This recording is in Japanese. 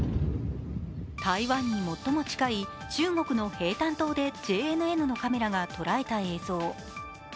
台湾に最も近い中国の平潭島でＪＮＮのカメラが捉えた映像。